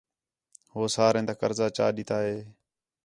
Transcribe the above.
ہو ساریں تا قرضہ چا ݙِتا ہِے